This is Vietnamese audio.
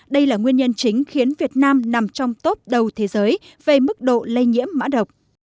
đây là nguyên nhân chính khiến việt nam nằm trong top đầu thế giới về mức độ lây nhiễm mã độc